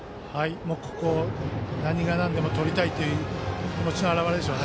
ここ、何がなんでも取りたいという気持ちの表れでしょう。